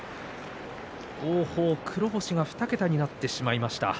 王鵬、黒星が２桁になってしまいました。